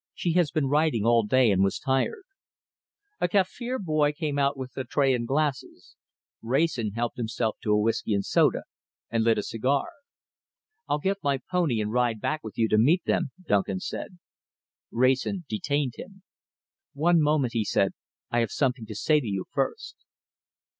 "She has been riding all day and was tired." A Kaffir boy came out with a tray and glasses. Wrayson helped himself to a whisky and soda, and lit a cigar. "I'll get my pony and ride back with you to meet them," Duncan said. Wrayson detained him. "One moment," he said, "I have something to say to you first."